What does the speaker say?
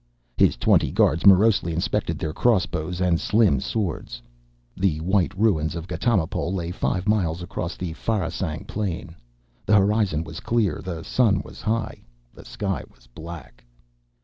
His twenty guards morosely inspected their crossbows and slim swords. The white ruins of Ghatamipol lay five miles across Pharasang Plain. The horizon was clear, the sun was high, the sky was black.